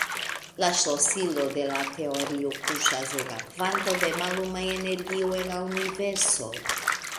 La ŝlosilo de la teorio kuŝas en kvanto da malluma energio en la Universo.